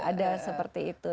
ada seperti itu